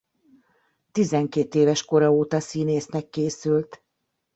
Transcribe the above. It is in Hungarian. Tizenkét éves kora óta színésznek készült.